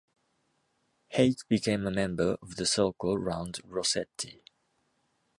Hake became a member of the circle round Rossetti.